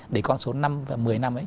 để con số năm và một mươi năm ấy